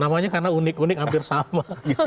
namanya karena unik unik hampir sama